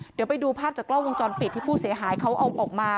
เดี๋ยวไปดูภาพจากกล้องวงจรปิดที่ผู้เสียหายเขาเอาออกมา